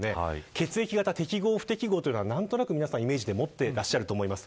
血液型適合、不適合というのは何となく皆さんイメージで持っていらっしゃると思います。